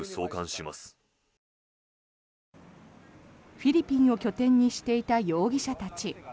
フィリピンを拠点にしていた容疑者たち。